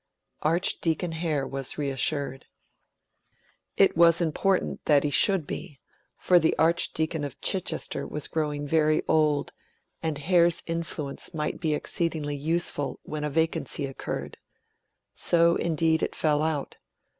Archdeacon Hare was reassured. It was important that he should be, for the Archdeacon of Chichester was growing very old, and Hare's influence might be exceedingly useful when a vacancy occurred. So, indeed, it fell out.